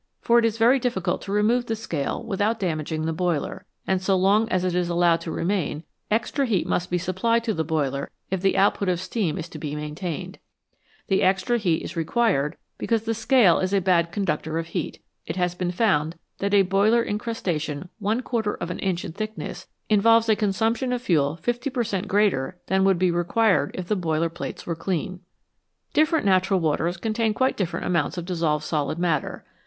For it is very diffi cult to remove the scale with out damaging the boiler, and so long as it is allowed to remain extra heat must be FIG. 2. Showing the relative supplied to the boiler if the amounts of solid matter dis output of steam is to be main solved in various waters. tained The extm heat is required because the scale is a bad conductor of heat ; it has been found that a boiler incrustation one quarter of an inch in thickness involves a consumption of fuel 50 per cent, greater than would be required if the boiler plates were clean. Different natural waters contain quite different amounts of dissolved solid matter.